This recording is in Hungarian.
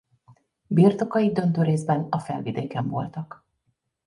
Birtokai döntő részben a Felvidéken voltak.